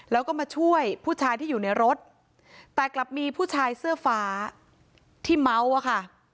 แล้วก็มาช่วยผู้ชายที่อยู่ในรถแต่กลับมีผู้ชายเสื้อฟ้าที่เมาอะค่ะ